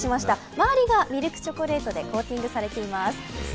まわりがミルクチョコレートでコーティングされています。